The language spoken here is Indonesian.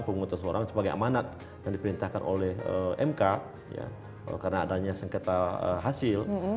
pemutus orang sebagai amanat yang diperintahkan oleh mk karena adanya sengketa hasil